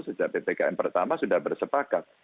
sejak ppkm pertama sudah bersepakat